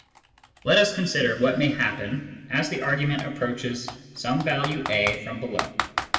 Let us consider what may happen as the argument approaches some value a from below.